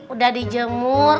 udah di jemur